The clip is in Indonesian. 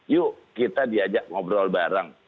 yuk kita diajak ngobrol bareng